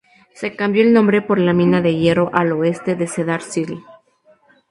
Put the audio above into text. Se cambió el nombre por la mina de hierro al oeste de Cedar City.